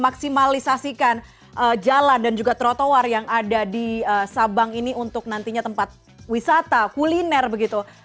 memaksimalisasikan jalan dan juga trotoar yang ada di sabang ini untuk nantinya tempat wisata kuliner begitu